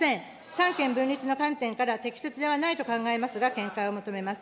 三権分立の観点から、適切ではないと考えますが、見解を求めます。